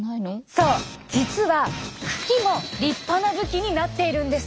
そう実は茎も立派な武器になっているんです。